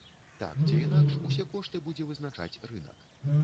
Так ці інакш, усе кошты будзе вызначаць рынак.